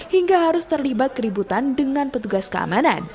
hingga harus terlibat keributan dengan petugas keamanan